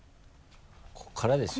ここからですよ。